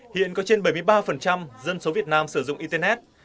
hiện có trên bảy mươi ba dân số việt nam sử dụng internet